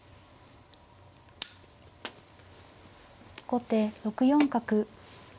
後手６四角。